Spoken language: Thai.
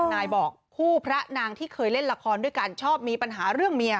นายบอกคู่พระนางที่เคยเล่นละครด้วยกันชอบมีปัญหาเรื่องเมีย